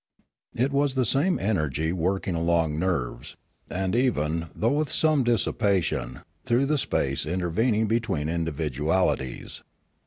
It was the same energy working along the nerves, and even, though with some dissipation, through the space inter vening between individualities.